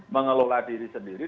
mengelola diri sendiri